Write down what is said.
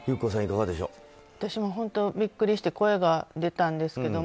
私も本当ビックリして声が出たんですけども。